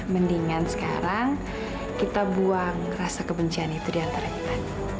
mendingan sekarang kita buang rasa kebencian itu diantara kita